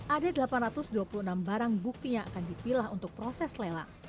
ada delapan ratus dua puluh enam barang buktinya akan dipilah untuk proses lelah